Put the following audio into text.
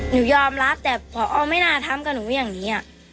หนูยอมรับแต่พอไม่น่าทำกับหนูอย่างนี้